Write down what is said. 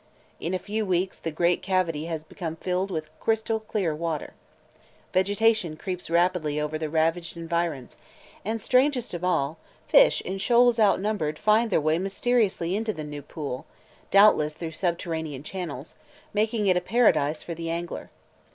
In a few weeks the great cavity has become filled with crystal clear water. Vegetation creeps rapidly over the ravaged environs, and strangest of all, fish in shoals unnumbered find their way mysteriously into the new pool, doubtless through subterranean channels, making it a paradise for the angler.